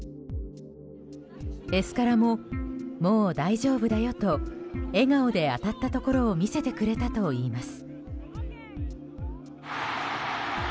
エスカラも、もう大丈夫だよと笑顔で当たったところを見せてくれたといいます。